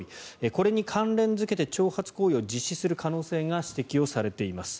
これに関連付けて挑発行為を実施する可能性が指摘されています。